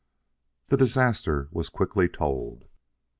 The disaster was quickly told.